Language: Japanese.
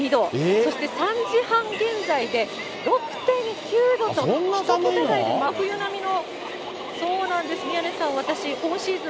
そして３時半現在で６．９度と、１桁台で、真冬並みのそうなんです、宮根さん、私、今シーズン